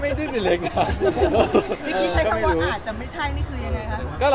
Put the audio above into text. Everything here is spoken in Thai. เมื่อกี้ใช้คำว่าอาจจะไม่ใช่